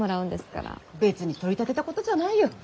別に取り立てたことじゃないよ。